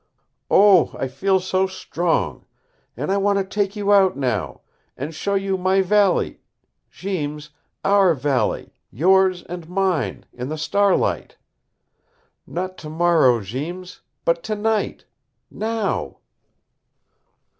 "Oh, I feel so strong! And I want to take you out now and show you my valley Jeems our valley yours and mine in the starlight. Not tomorrow, Jeems. But tonight. Now."